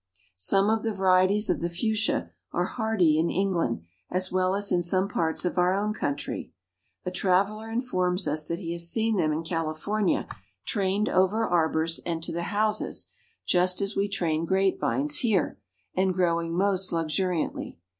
Some of the varieties of the Fuchsia are hardy in England as well as in some parts of our own country. A traveler informs us that he has seen them in California trained over arbors and to the houses just as we train grape vines here, and growing most luxuriantly.